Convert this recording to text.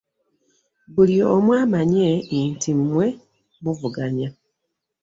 Buli omu amanye nti mmwe muvuganya.